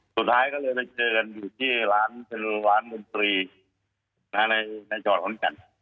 สุดท้ายก็เลยได้เจอกันอยู่ที่ว้านจริงวรรณมนตรีในจอดร้อนกัน